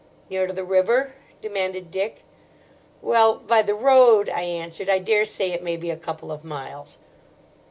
"Near to the river?" demanded Dick. "Well, by the road," I answered, "I daresay it may be a couple of miles."